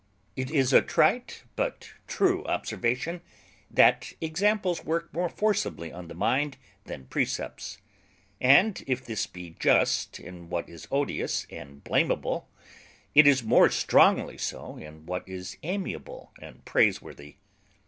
_ It is a trite but true observation, that examples work more forcibly on the mind than precepts: and if this be just in what is odious and blameable, it is more strongly so in what is amiable and praiseworthy.